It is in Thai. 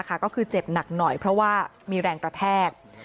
ก็คือเจ็บหนักหน่อยเพราะว่ามีแรงกระแทก